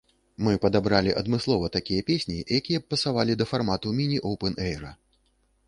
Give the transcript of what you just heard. Мы падабралі адмыслова такія песні, якія б пасавалі да фармату міні-опэн-эйра.